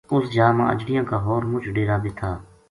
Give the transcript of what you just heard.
اس جا ما اجڑیاں کا ہور مُچ ڈیرا بے تھا